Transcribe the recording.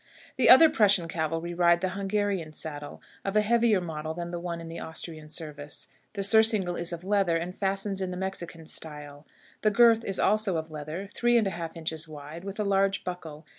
The other Prussian cavalry ride the Hungarian saddle, of a heavier model than the one in the Austrian service. The surcingle is of leather, and fastens in the Mexican style; the girth is also of leather, three and a half inches wide, with a large buckle.